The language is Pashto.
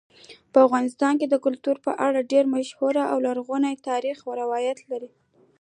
افغانستان د کلتور په اړه ډېر مشهور او لرغوني تاریخی روایتونه لري.